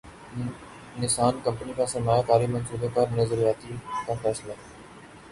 نسان company کا سرمایہ کاری منصوبے پر نظرثانی کا فیصلہ